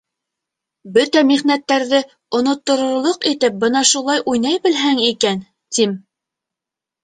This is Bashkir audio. Бөтә михнәттәрҙе онотторорлоҡ итеп бына шулай уйнай белһәң икән, тим.